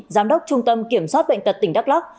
giám đốc trung tâm kiểm soát bệnh tật tỉnh đắk lắc